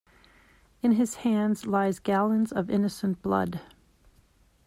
In his hands lies gallons of innocent blood.